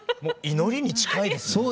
もう祈りに近いですね。